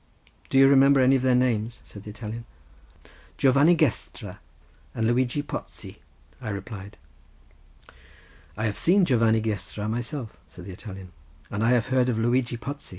"Do you remember any of their names?" said the Italian. "Giovanni Gestra and Luigi Pozzi," I replied. "I have seen Giovanni Gestra myself," said the Italian, "and I have heard of Luigi Pozzi.